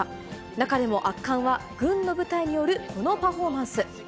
中でも圧巻は、軍の部隊によるこのパフォーマンス。